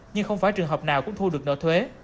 nhưng không phải trường hợp nào cũng thu được nợ thuế